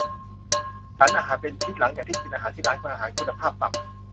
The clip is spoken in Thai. ฉันอาหารเป็นพิษหลังจากที่กินอาหารที่ร้านอาหารคุณภาพต่ำ